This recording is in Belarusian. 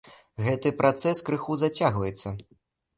Гэты працэс крыху зацягваецца.